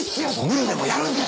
無理でもやるんです！